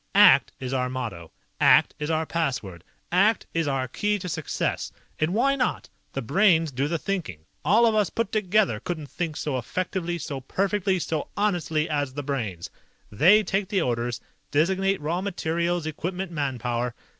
"ACT is our motto. ACT is our password. ACT is our key to success. And why not? The Brains do the thinking. All of us put together couldn't think so effectively, so perfectly, so honestly as the Brains. They take the orders, designate raw materials, equipment, manpower.